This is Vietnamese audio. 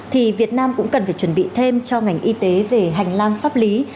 thì việt nam cũng cần phải chuẩn bị thêm cho ngành y tế về hành lang pháp lý